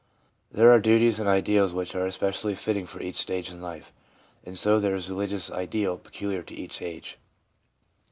There are duties and ideals which are especially fitting for each stage in life. And so there is a religious ideal peculiar to each age.